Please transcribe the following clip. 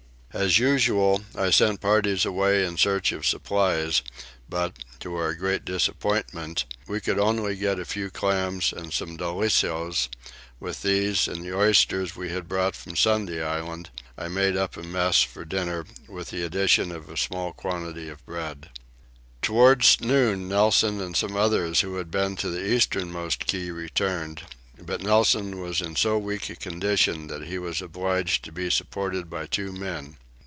As usual I sent parties away in search of supplies but, to our great disappointment, we could only get a few clams and some dolichos: with these and the oysters we had brought from Sunday Island I made up a mess for dinner with the addition of a small quantity of bread. Towards noon Nelson and some others who had been to the easternmost key returned, but Nelson was in so weak a condition that he was obliged to be supported by two men.